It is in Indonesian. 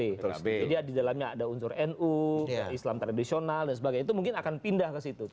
jadi di dalamnya ada unsur nu islam tradisional dan sebagainya itu mungkin akan pindah ke situ